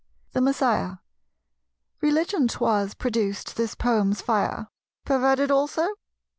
THE MESSIAD. Religion 'twas produced this poem's fire; Perverted also?